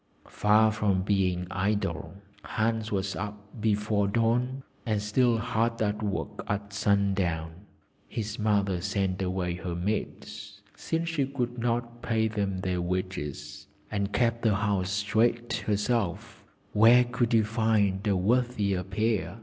Far from being idle, Hans was up before dawn, and still hard at work at sundown. His mother sent away her maids, since she could not pay them their wages, and kept the house straight herself; where could you find a worthier pair?